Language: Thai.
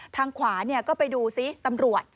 ทางขวาก็ไปดูซิตำรวจ